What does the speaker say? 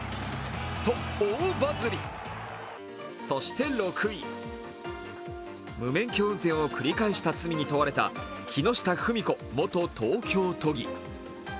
そして６位、無免許運転を繰り返した罪に問われた木下富美子元東京都義。